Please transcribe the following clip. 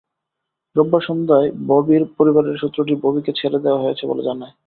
রোববার সন্ধ্যায় ববির পরিবারের সূত্রটি ববিকে ছেড়ে দেওয়া হয়েছে বলে জানায়।